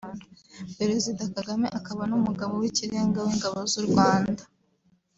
Perezida Kagame akaba n’umugaba w’ikirenga w’Ingabo z’u Rwanda